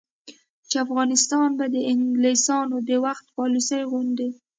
چې افغانستان به د انګلیسانو د وخت پالیسي غوندې،